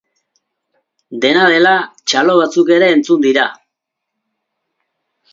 Dena dela, txalo batzuk ere entzun dira.